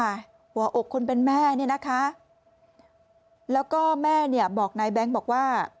หัวอกคนเป็นแม่เนี่ยนะคะแล้วก็แม่เนี่ยบอกนายแบงค์บอกว่า